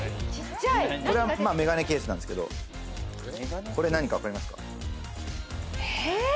これはメガネケースなんですけれども、これ何かわかりますか？